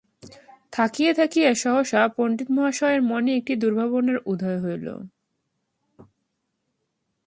থাকিয়া থাকিয়া সহসা পণ্ডিতমহাশয়ের মনে একটি দুর্ভাবনার উদয় হইল।